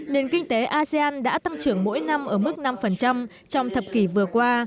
nền kinh tế asean đã tăng trưởng mỗi năm ở mức năm trong thập kỷ vừa qua